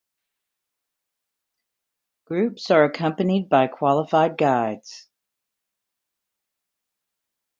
Groups are accompanied by qualified guides.